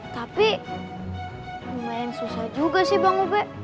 tapi lumayan susah juga sih bang ube